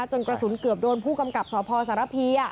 จนกระสุนเกือบโดนผู้กำกับสพสารพี